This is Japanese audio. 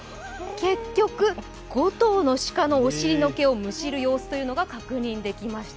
結局、５頭の鹿のお尻の毛をむしる様子が確認されました。